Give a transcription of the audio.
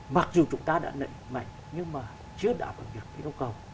mặc dù chúng ta đã nợ mạnh nhưng mà chưa đảm bảo được cái nông cầu